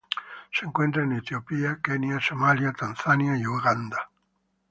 Se encuentra en Etiopía, Kenia, Somalia, Tanzania y Uganda.